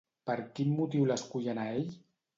Per quin motiu l'escullen a ell?